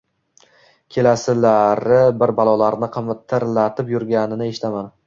Kechasilari bir balolarni qitirlatib yurganini eshitaman.